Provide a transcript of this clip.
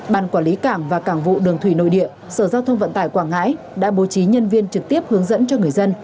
ban quản lý cảng và cảng vụ đường thủy nội địa sở giao thông vận tải quảng ngãi đã bố trí nhân viên trực tiếp hướng dẫn cho người dân